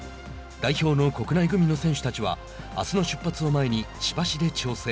代表の国内組の選手たちはあすの出発を前に千葉市で調整。